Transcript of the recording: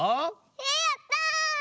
えやった！